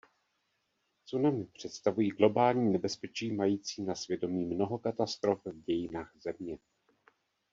Tsunami představují globální nebezpečí mající na svědomí mnoho katastrof v dějinách Země.